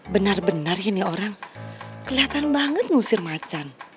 benar benar ya nih orang kelihatan banget ngusir macan